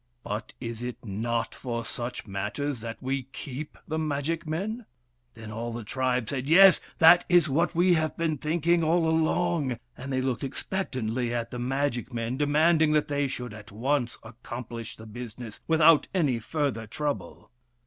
But is it not for such matters that we keep the magic men ?" Then all the tribe said, " Yes, that is what we have been thinking all along." And they looked expectantly at the magic men, demanding that they should at once accomplish the business, without any further trouble.